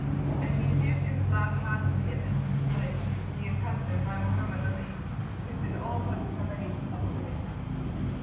And the Egyptians laugh heartily at this display, being accustomed by Mohammed Ali to consider all such parade obsolete.